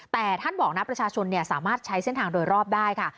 แต่ท่านบอกนะประชาชนสามารถใช้เส้นทางโดยรอบได้ค่ะ